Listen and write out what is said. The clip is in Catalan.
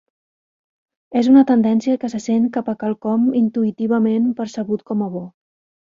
És una tendència que se sent cap a quelcom intuïtivament percebut com a bo.